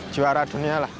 juara dunia lah